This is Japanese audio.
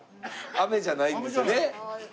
飴じゃないんですよね。